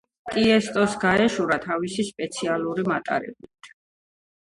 ტიესტოს გაეშურა თავისი სპეციალური მატარებლით.